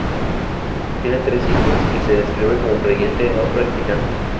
Tiene tres hijos y se describe como creyente no practicante.